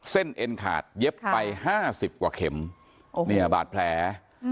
เอ็นขาดเย็บไป๕๐กว่าเข็มเนี่ยบาดแผล